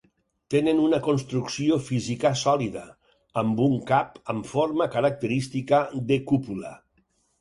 Tenen una construcció física sòlida, amb un cap amb forma característica de cúpula.